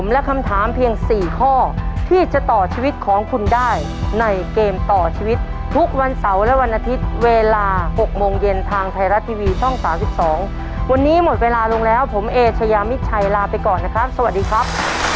แล้วผมเอเชยามิชัยลาไปก่อนนะครับสวัสดีครับ